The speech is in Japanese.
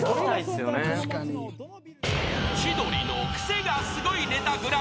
［『千鳥のクセがスゴいネタＧＰ』］